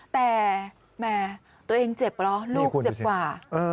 แต่แม่ตัวเองเจ็บเหรอลูกเจ็บกว่า